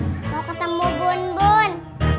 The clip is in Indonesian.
mau ketemu bun bun